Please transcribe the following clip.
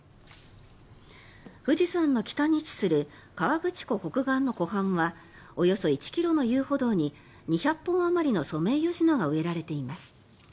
富士山の北に位置する河口湖北岸の湖畔はおよそ１ｋｍの遊歩道に２００本あまりのソメイヨシノが植えられています。